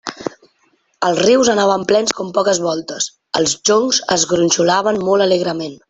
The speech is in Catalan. Els rius anaven plens com poques voltes; els joncs es gronxolaven molt alegrement.